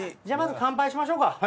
じゃあまず乾杯しましょうか。